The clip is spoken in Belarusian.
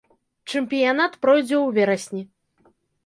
Чэмпіянат пройдзе ў верасні.